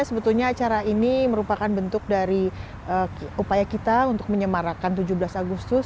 sebetulnya acara ini merupakan bentuk dari upaya kita untuk menyemarakan tujuh belas agustus